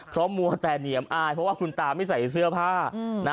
เพราะมัวแต่เหนียมอายเพราะว่าคุณตาไม่ใส่เสื้อผ้านะ